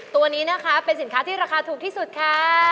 ตัวนี้นะคะเป็นสินค้าที่ราคาถูกที่สุดค่ะ